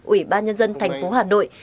ủy ban nhân dân thành phố hà nội